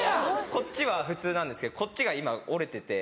こっちは普通なんですけどこっちが今折れてて。